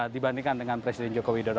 dibandingkan dengan presiden joko widodo